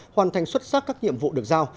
hoàn thành xuất sắc các nhiệm vụ được giao